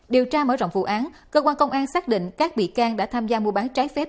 điều tra mở rộng vụ án cơ quan công an xác định các bị can đã tham gia mua bán trái phép